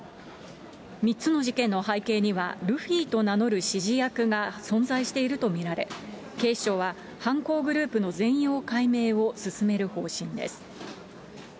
３つの事件の背景には、ルフィと名乗る指示役が存在していると見られ、警視庁は、犯行グループの全容解明を進める方針です。